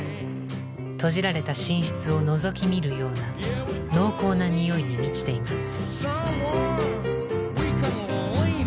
閉じられた寝室をのぞき見るような濃厚な匂いに満ちています。